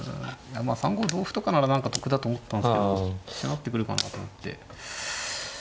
まあ３五同歩とかなら何か得だと思ったんすけど飛車成ってくるかなと思って。